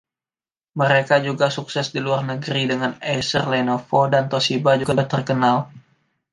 Mereka juga sukses di luar negeri, dengan Acer, Lenovo dan Toshiba juga terkenal.